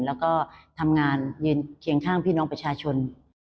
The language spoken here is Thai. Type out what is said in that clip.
แล้วก็ทำงานยืนเคียงข้างพี่น้องประชาชน